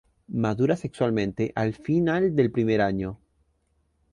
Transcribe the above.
Madura sexualmente al final del primer año.